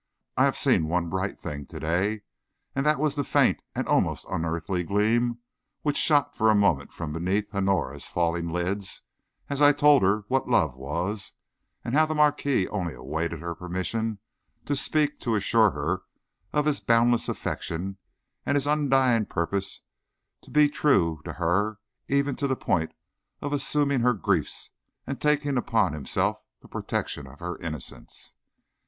I have seen one bright thing to day, and that was the faint and almost unearthly gleam which shot for a moment from beneath Honora's falling lids as I told her what love was and how the marquis only awaited her permission to speak to assure her of his boundless affection and his undying purpose to be true to her even to the point of assuming her griefs and taking upon himself the protection of her innocence.